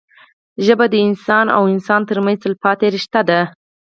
ژبه د انسان او انسان ترمنځ تلپاتې رشته ده